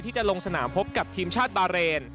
จะลงสนามพบกับทีมชาติบาเรน